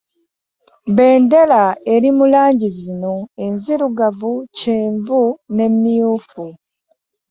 Bbendera erimu langi zino enzirugavu kyenvu ne myufu.